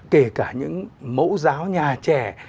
kể cả những mẫu giáo nhà trẻ